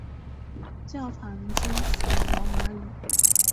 教堂遵循罗马礼。